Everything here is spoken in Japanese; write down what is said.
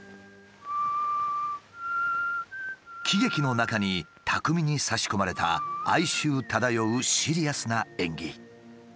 喜劇の中に巧みに差し込まれた哀愁漂うシリアスな演技。